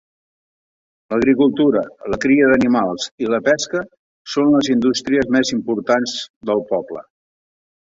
L'agricultura, la cria d'animals i la pesca són les indústries més importants del poble.